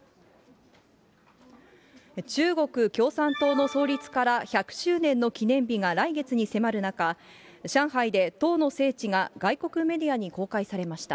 中国共産党の創立から１００周年の記念日が来月に迫る中、上海で党の聖地が外国メディアに公開されました。